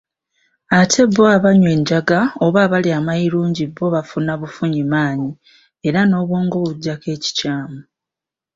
Ate bo abanywa enjaga oba abalya amayirungi bo bafuna bufunyi maanyi era n'obwongo bujjako ekikyamu.